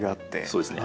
そうですね。